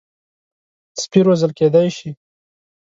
سپي روزل کېدای شي.